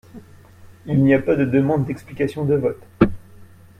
Il n’y a pas de demande d’explication de votes.